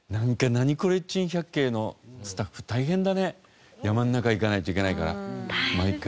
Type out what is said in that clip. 『ナニコレ珍百景』のスタッフ大変だね山の中行かないといけないから毎回。